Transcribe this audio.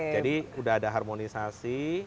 jadi sudah ada harmonisasi